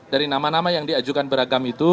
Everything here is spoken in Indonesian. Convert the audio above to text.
dari nama nama yang diajukan beragam itu